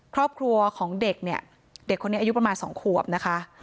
ครอบครัวของเด็กเนี่ยเด็กคนนี้อายุประมาณ๒ขวบนะคะ